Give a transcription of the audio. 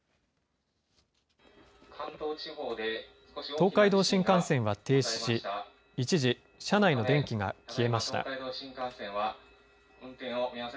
東海道新幹線は停止し、一時、車内の電気が消えました。